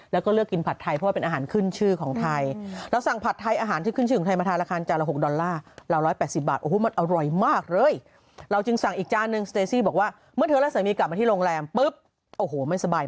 แล้วก็เลือกกินผัดไทยเพราะว่าเป็นอาหารขึ้นชื่อของไทย